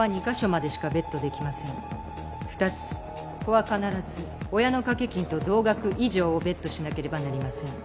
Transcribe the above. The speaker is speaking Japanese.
子は必ず親の賭け金と同額以上をベットしなければなりません。